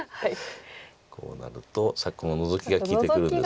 こうなるとこのノゾキが利いてくるんです。